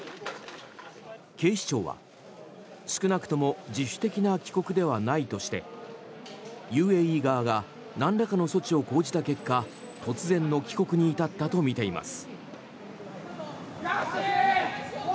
警視庁は、少なくとも自主的な帰国ではないとしてＵＡＥ側がなんらかの措置を講じた結果突然の帰国に至ったとみています。